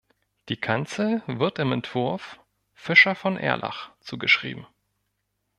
Die Kanzel wird im Entwurf Fischer von Erlach zugeschrieben.